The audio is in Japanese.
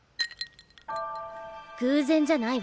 偶然じゃないわ。